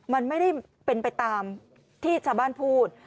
มันไม่ได้เป็นไปตามที่ชาวบ้านพูด